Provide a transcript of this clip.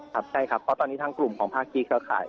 ครับใช่ครับเพราะตอนนี้ทางกลุ่มของภาคีเครือข่าย